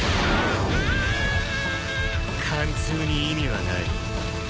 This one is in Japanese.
貫通に意味はない。